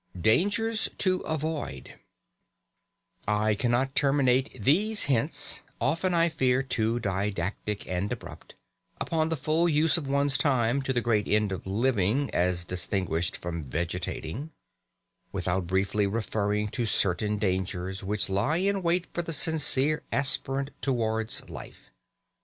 XII DANGERS TO AVOID I cannot terminate these hints, often, I fear, too didactic and abrupt, upon the full use of one's time to the great end of living (as distinguished from vegetating) without briefly referring to certain dangers which lie in wait for the sincere aspirant towards life.